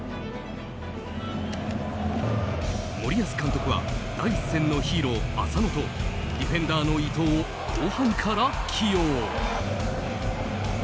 森保監督は第１戦のヒーロー浅野とディフェンダーの伊藤を後半から起用。